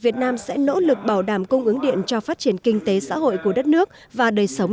việt nam sẽ nỗ lực bảo đảm cung ứng điện cho phát triển kinh tế xã hội của đất nước và đời sống